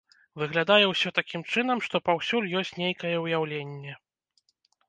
Выглядае ўсё такім чынам, што паўсюль ёсць нейкае ўяўленне.